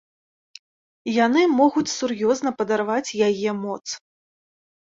Яны могуць сур'ёзна падарваць яе моц.